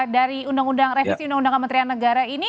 dari undang undang revisi undang undang kementerian negara ini